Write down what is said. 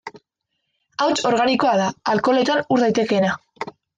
Hauts organikoa da, alkoholetan ur daitekeena.